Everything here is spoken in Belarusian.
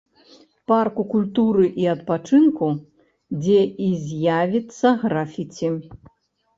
Парку культуры і адпачынку, дзе і з'явіцца графіці.